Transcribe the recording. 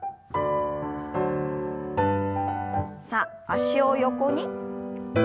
さあ脚を横に。